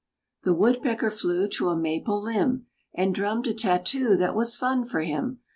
The woodpecker flew to a maple limb, And drummed a tattoo that was fun for him.